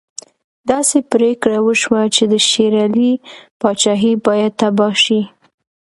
داسې پرېکړه وشوه چې د شېر علي پاچهي باید تباه شي.